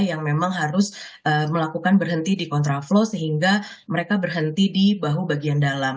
yang memang harus melakukan berhenti di kontraflow sehingga mereka berhenti di bahu bagian dalam